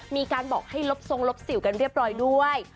มีการบอกให้ลบทรงลบสิวกันเรียบร้อยด้วย